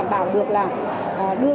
cũng đảm bảo được là đưa